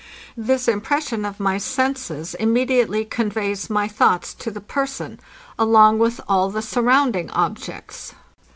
This impression of my senses immediately conveys my thoughts to the person, along with all the surrounding objects.